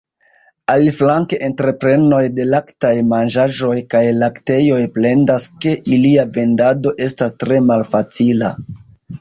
Aliflanke entreprenoj de laktaj manĝaĵoj kaj laktejoj plendas ke ilia vendado estas tre malfacila.